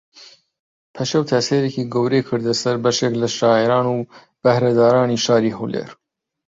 پەشێو تەئسیرێکی گەورەی کردە سەر بەشێک لە شاعیران و بەھرەدارانی شاری ھەولێر